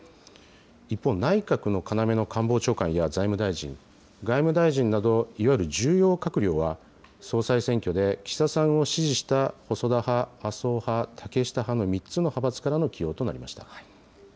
一方、内閣の要の官房長官や財務大臣、外務大臣など、いわゆる重要閣僚は、総裁選挙で岸田さんを支持した細田派、麻生派、竹下派の３つの派閥からの起用となりました。